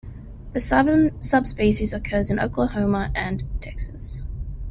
The southern subspecies occurs in Oklahoma and Texas.